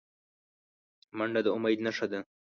منډه د امید نښه ده